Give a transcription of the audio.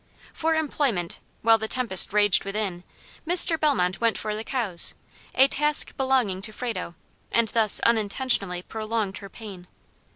For employment, while the tempest raged within, Mr. Bellmont went for the cows, a task belonging to Frado, and thus unintentionally prolonged her pain.